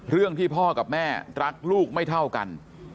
เรื่องที่พ่อกับแม่รักลูกไม่เท่ากัน